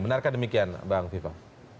benarkah demikian pak fivatar